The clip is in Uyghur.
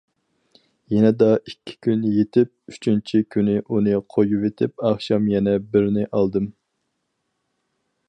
يېنىدا ئىككى كۈن يېتىپ، ئۈچىنچى كۈنى ئۇنى قويۇۋېتىپ، ئاخشام يەنە بىرنى ئالدىم.